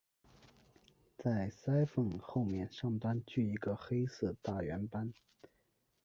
在鳃缝后面上端据一个黑色大圆斑。